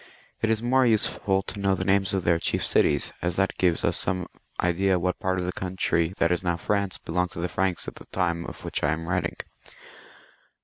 It is more useful to know the names of their chief cities, as that gives us some idea as to what part of the coimtry that is now France belonged to the Franks at the time of which I am writing.